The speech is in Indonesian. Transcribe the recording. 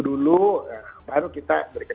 dulu baru kita berikan